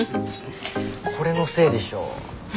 これのせいでしょ。